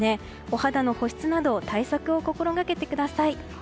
お肌の保湿など対策を心掛けてください。